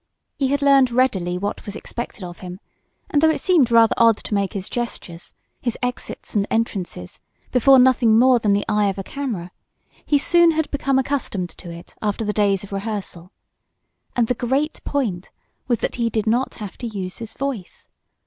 He had learned readily what was expected of him, and though it seemed rather odd to make his gestures, his exits and entrances before nothing more than the eye of a camera, he soon had become accustomed to it after the days of rehearsal. And the great point was that he did not have to use his voice.